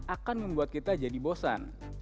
akan membuat kita jadi bosan